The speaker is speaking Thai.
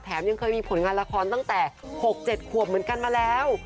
ยังเคยมีผลงานละครตั้งแต่๖๗ขวบเหมือนกันมาแล้ว